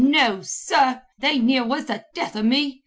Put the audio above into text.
No, sur! They near was the death o' me.